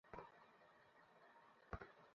পিটারের ambulance এসেছে?